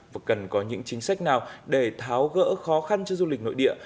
và cần có những chính sách nào để tháo gỡ khó khăn cho du lịch nội địa